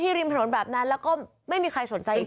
ริมถนนแบบนั้นแล้วก็ไม่มีใครสนใจ